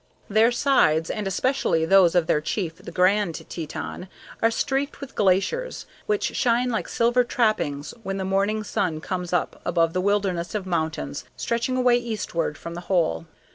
Their sides, and especially those of their chief, the Grand Teton, are streaked with glaciers, which shine like silver trappings when the morning sun comes up above the wilderness of mountains stretching away eastward from the hole.